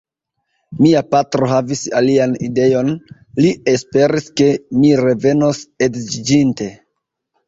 Mia patro havis alian ideon: li esperis, ke mi revenos edziĝinte.